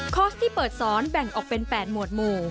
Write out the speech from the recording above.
ที่เปิดสอนแบ่งออกเป็น๘หมวดหมู่